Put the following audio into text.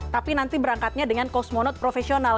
tapi nanti berangkatnya dengan kosmonaut profesional